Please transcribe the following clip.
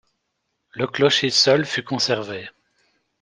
Le clocher seul fut conservé.